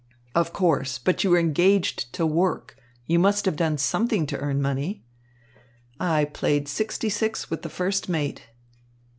"Of course. But you were engaged to work. You must have done something to earn money." "I played sixty six with the first mate."